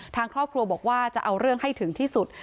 ทางครอบครัวบอกว่าจะเอาเรื่องให้ถึงที่สุด